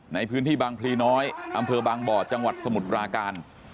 ในพื้นที่บางพลีน้อยอำเภอบางบ่อจังหวัดสมุทรปราการ